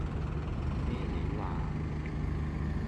咩料呀